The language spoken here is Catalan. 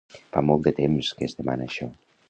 Fa molt de temps que es demana això.